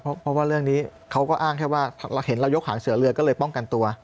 เพราะว่าเรื่องนี้เขาก็อ้างแค่ว่าเราเห็นเรายกหางเสือเรือก็เลยป้องกันตัว